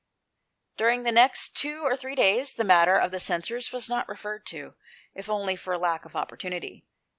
During the next two or three days, the matter of the censers was not referred to, if only for lack of opportunity.